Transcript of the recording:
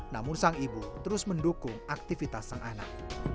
namun sang ibu terus mendukung aktivitas sang anak